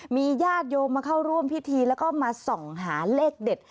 มีญาติโยมมาเข้าร่วมพิธีแล้วก็มาส่องหาเลขเด็ด